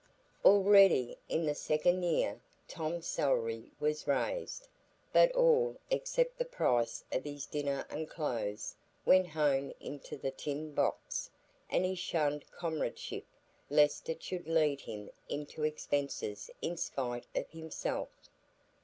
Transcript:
Already, in the second year, Tom's salary was raised; but all, except the price of his dinner and clothes, went home into the tin box; and he shunned comradeship, lest it should lead him into expenses in spite of himself.